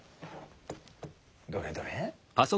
どれどれ。